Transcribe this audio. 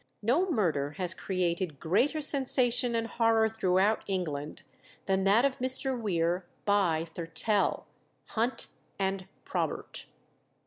No murder has created greater sensation and horror throughout England than that of Mr. Weare by Thurtell, Hunt, and Probert.